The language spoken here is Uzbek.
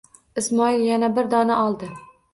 Ismoil yana bir dona oldi.